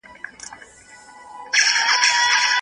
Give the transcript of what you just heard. د کاري ځایونو جوړول ضروري دی.